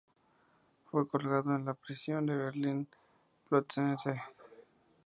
Fue colgado en la prisión de Berlín-Plötzensee.